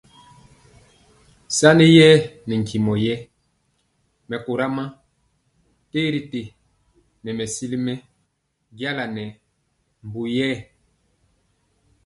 Sani yɛɛ nɛ ntimɔ yɛé mɛkora ma terité nɛ mɛsili mɛ jala nɛ mbu yɛɛ.